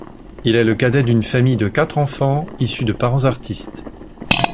Il est le cadet d’une famille de quatre enfants, issue de parents artistes.